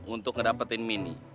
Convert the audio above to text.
untuk ngedapetin mini